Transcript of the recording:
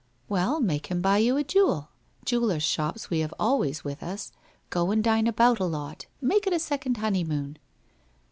'' Well, make him buy you a jewel. Jewellers' shops we have always with us. Go and dine about a lot. Make it a second honeymoon.'